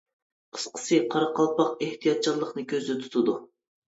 قىسقىسى، قارا قالپاق ئېھتىياتچانلىقنى كۆزدە تۇتىدۇ.